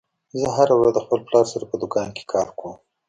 زه هره ورځ د خپل پلار سره په دوکان کې کار کوم